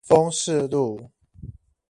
豐勢路